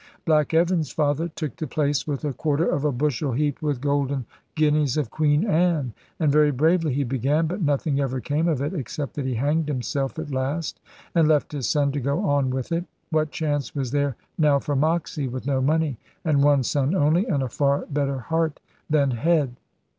Black Evan's father took the place with a quarter of a bushel heaped with golden guineas of Queen Anne. And very bravely he began, but nothing ever came of it, except that he hanged himself at last, and left his son to go on with it. What chance was there now for Moxy, with no money, and one son only, and a far better heart than head?